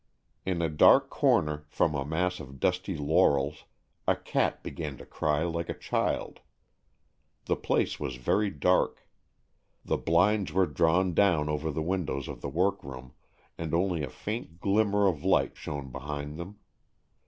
In a dark corner, from a mass of dusty laurels, a cat began to cry like a child. The place was very dark. The blinds were drawn down over the windows of the workroom, and only a faint glimmer of light shone behind them.